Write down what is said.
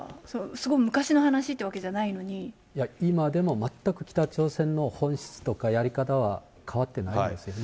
すごい昔の話ってわけじゃないの今でも、全く北朝鮮の本質とかやり方は変わってないんですよね。